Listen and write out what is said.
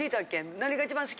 何が一番好き？